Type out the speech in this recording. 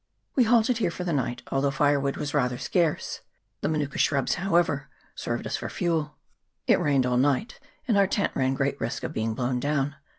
We halted here for the night, although tire wood was rather scarce ; the manuka shrubs, however, served us for fuel. It rained all night, and our tent ran great risk of being blown down.